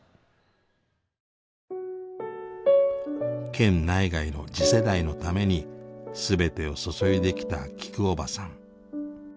県内外の次世代のために全てを注いできたきくおばさん。